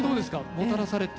もたらされて。